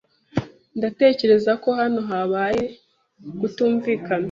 Ndatekereza ko hano habaye ukutumvikana